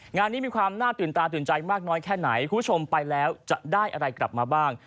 งานนี้มีความน่าตื่นตาตื่นใจมากน้อยแค่ไหนคุณผู้ชมไปแล้วจะได้อะไรกลับมาบ้าง